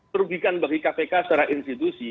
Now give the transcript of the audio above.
terugikan bagi kpk secara institusi